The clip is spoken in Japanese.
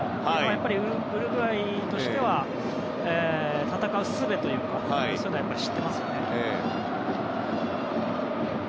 やっぱりウルグアイとしては戦うすべというかそういうのを知っていますね。